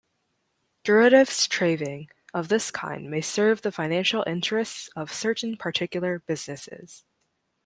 Derivatives trading of this kind may serve the financial interests of certain particular businesses.